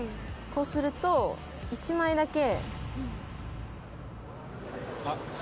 こうすると１枚だけ。